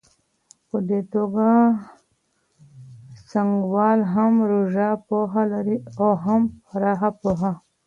په دې توګه څانګوال هم ژوره پوهه لري او هم پراخه پوهه.